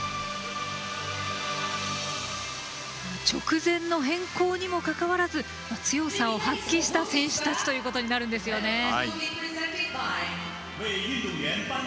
直前の変更にもかかわらず強さを発揮した選手たちということになるんですね。